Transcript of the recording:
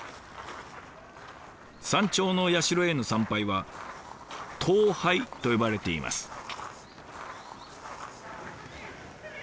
山頂の社への参拝は「登拝」と呼ばれています。